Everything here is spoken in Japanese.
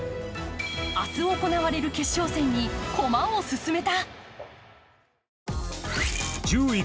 明日行われる決勝戦に駒を進めた。